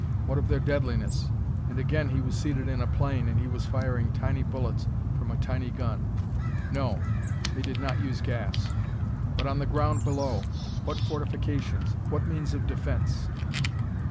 What of their deadliness?_ And again he was seated in a plane, and he was firing tiny bullets from a tiny gun. No. They did not use gas. _But on the ground below what fortifications? What means of defense?